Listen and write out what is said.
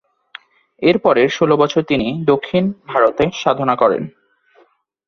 এরপরের ষোল বছর তিনি দক্ষিণ ভারতে সাধনা করেন।